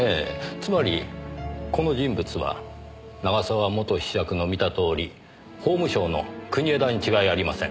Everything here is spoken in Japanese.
つまりこの人物は永沢元子爵の見たとおり法務省の国枝に違いありません。